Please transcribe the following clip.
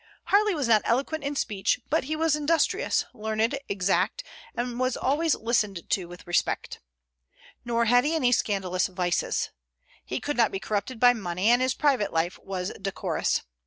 Harley was not eloquent in speech; but he was industrious, learned, exact, and was always listened to with respect. Nor had he any scandalous vices. He could not be corrupted by money, and his private life was decorous.